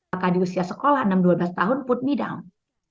maka di usia sekolah enam dua belas tahun put me down